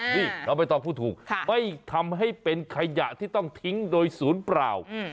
นี่น้องใบตองพูดถูกไม่ทำให้เป็นขยะที่ต้องทิ้งโดยศูนย์เปล่า